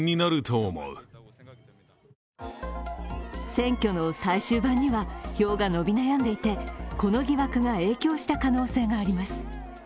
選挙の最終盤には票が伸び悩んでいてこの疑惑が影響した可能性があります。